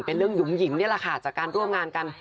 เป็นเรื่องหยุ่มหิมนี่แหละค่ะจากการร่วมงานกัน